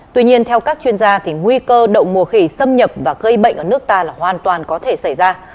tuy nhiên theo các chuyên gia thì nguy cơ đậu mùa khỉ xâm nhập và gây bệnh ở nước ta là hoàn toàn có thể xảy ra